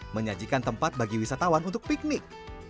menyajikan tempat bagi wisatawan untuk piknik